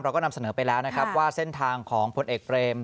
เราก็นำเสนอไปแล้วนะครับว่าเส้นทางของพลเอกเบรม